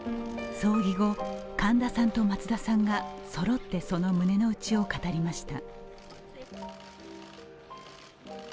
葬儀後、神田さんと松田さんがそろってその胸の内を語りました。